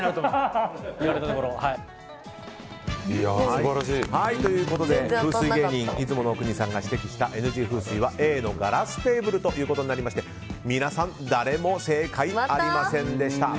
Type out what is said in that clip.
素晴らしい！ということで風水芸人・出雲阿国さんが指摘したＮＧ風水はＡのガラステーブルとなりまして皆さん、誰も正解ありませんでした。